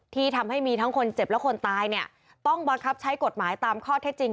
ที่ทำให้มีทั้งคนเจ็บและคนตายเนี่ยต้องบังคับใช้กฎหมายตามข้อเท็จจริง